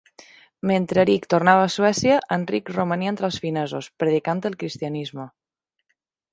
Mentre Eric tornava a Suècia, Enric romania entre els finesos, predicant el cristianisme.